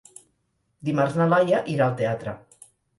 Dimarts na Laia irà al teatre.